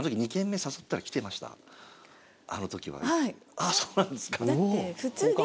あぁそうなんですか。